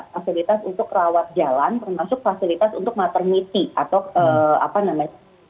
fasilitas untuk rawat jalan termasuk fasilitas untuk maternity atau apa namanya